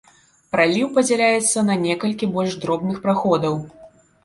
Праліў падзяляецца на некалькі больш дробных праходаў.